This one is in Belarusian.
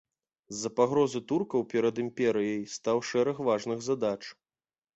З-за пагрозы туркаў перад імперыяй стаяў шэраг важных задач.